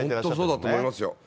本当そうだと思いますよ。